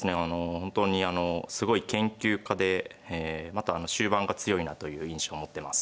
本当にあのすごい研究家でまた終盤が強いなという印象を持ってます。